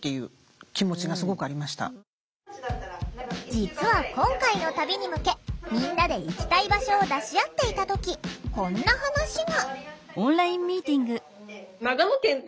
実は今回の旅に向けみんなで行きたい場所を出し合っていた時こんな話が。